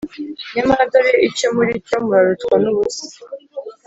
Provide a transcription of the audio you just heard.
Nyamara dore icyo muri cyo: murarutwa n’ubusa;